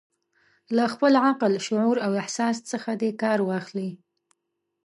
له خپل عقل، شعور او احساس څخه دې کار واخلي.